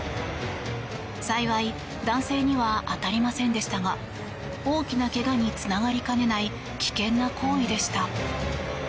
幸い、男性には当たりませんでしたが大きなけがにつながりかねない危険な行為でした。